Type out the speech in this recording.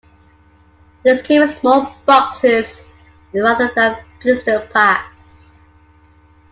These came in small boxes rather than blister packs.